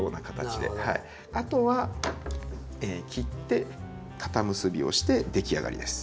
あとは切って固結びをして出来上がりです。